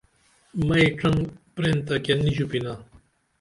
مئی ڇنگ پرینتہ کیہ نی ژوپینا